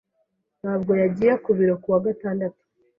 Ntabwo yagiye ku biro kuwa gatandatu.